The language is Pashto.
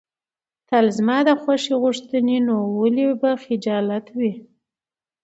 تل د زما خوښي غوښتې، نو ولې به خجالت وې.